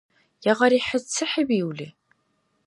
Ягъари, хӀед се хӀебиули?